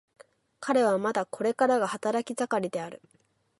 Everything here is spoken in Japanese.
彼はまだこれからが働き盛りである。